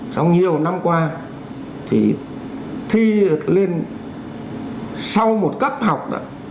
trong nhiều năm qua thì thi lên sau một cấp học đã